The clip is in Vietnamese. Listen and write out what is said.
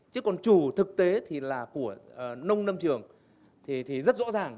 chứ còn chủ thực tế thì là của nông lâm trường thì rất rõ ràng